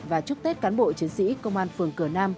và chúc tết cán bộ chiến sĩ công an phường cửa nam